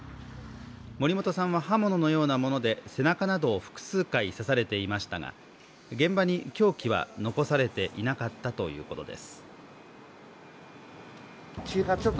森本さんは刃物のようなもので背中などを複数回刺されていましたが現場に凶器は残されていなかったということです。